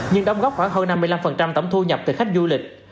nhưng đóng góp khoảng hơn năm mươi năm tổng thu nhập từ khách du lịch